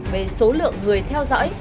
về số lượng người theo dõi